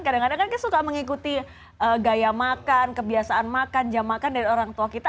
kadang kadang kan kita suka mengikuti gaya makan kebiasaan makan jam makan dari orang tua kita